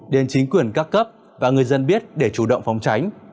đến chính quyền các cấp và người dân biết để chủ động phòng tránh